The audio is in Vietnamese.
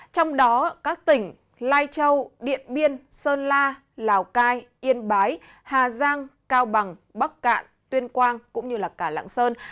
trong đó các tỉnh lai châu điện biên sơn la lào cai yên bái hà giang cao bằng bắc cạn tuyên quang cũng như cả lạng sơn